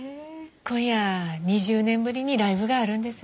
今夜２０年ぶりにライブがあるんです。